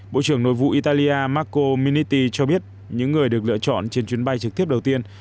bộ trưởng nội vụ italia marco minity cho biết những người được lựa chọn trên chuyến bay trực tiếp đầu tiên